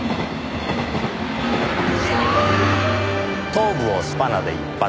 頭部をスパナで一発。